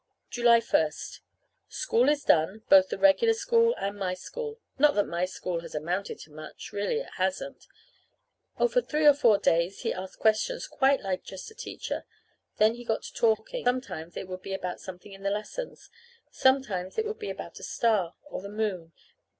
July first. School is done, both the regular school and my school. Not that my school has amounted to much. Really it hasn't. Oh, for three or four days he asked questions quite like just a teacher. Then he got to talking. Sometimes it would be about something in the lessons; sometimes it would be about a star, or the moon.